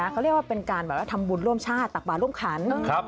เขาเรียกว่าเป็นการทำบุญร่วมชาติตักบาทร่วมขัน